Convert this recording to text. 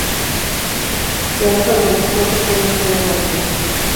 Se enlazan los dos cuerpos con unas finas molduras.